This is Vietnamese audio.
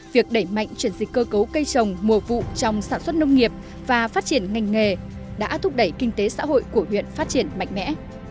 việc đẩy mạnh chuyển dịch cơ cấu cây trồng mùa vụ trong sản xuất nông nghiệp và phát triển ngành nghề đã thúc đẩy kinh tế xã hội của huyện phát triển mạnh mẽ